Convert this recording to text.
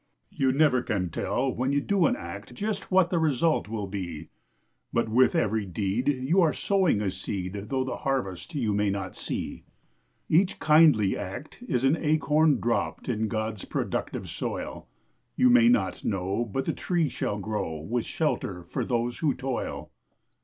You never can tell when you do an act Just what the result will be; But with every deed you are sowing a seed, Though the harvest you may not see. Each kindly act is an acorn dropped In God's productive soil. You may not know, but the tree shall grow, With shelter for those who toil.